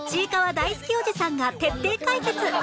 大好きおじさんが徹底解説